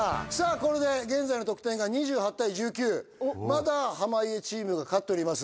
これで現在の得点が２８対１９まだ濱家チームが勝っております